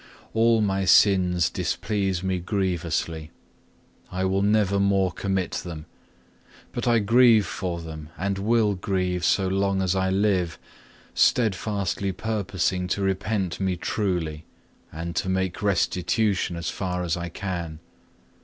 All my sins displease me grievously: I will never more commit them; but I grieve for them and will grieve so long as I live, steadfastly purposing to repent me truly, and to make restitution as far as I can.